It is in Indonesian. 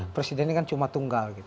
presiden ini kan cuma tunggal